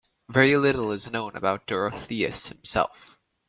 Very little is known about Dorotheus himself.